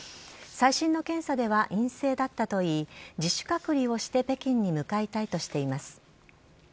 最新の検査では陰性だったといい自主隔離をして北京に向かいたいとしています。